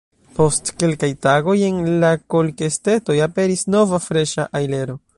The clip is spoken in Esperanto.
Post kelkaj tagoj en la kolkestetoj aperis nova freŝa ajlero.